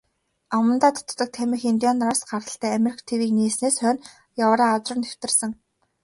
Амандаа татдаг тамхи индиан нараас гаралтай, Америк тивийг нээснээс хойно Еврази руу нэвтэрсэн.